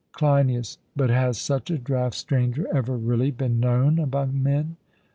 CLEINIAS: But has such a draught, Stranger, ever really been known among men?